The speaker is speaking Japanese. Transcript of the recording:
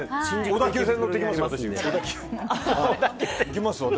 小田急線乗って行きますよ、私。